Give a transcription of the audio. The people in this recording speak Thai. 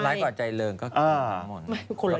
หลายกว่าใจเริงก็คือทั้งหมด